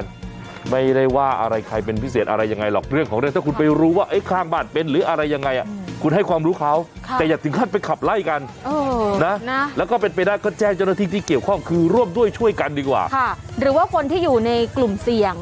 หรือว่าเป็นไปได้ก็แจ้งเจ้าหน้าที่ที่เกี่ยวข้องคือร่วมด้วยช่วยกันดีกว่าค่ะหรือว่าคนที่อยู่ในกลุ่มเสี่ยง